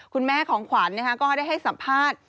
คุณแม่ของขวัญก็ได้ให้สัมภาษณ์